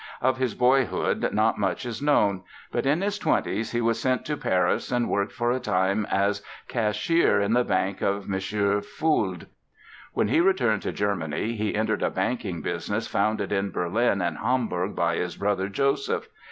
Of his boyhood not much is known. But in his twenties he was sent to Paris and worked for a time as cashier in the bank of M. Fould. When he returned to Germany he entered a banking business founded in Berlin and Hamburg by his brother, Joseph.